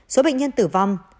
số bệnh nhân tử vong